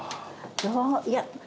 どういや。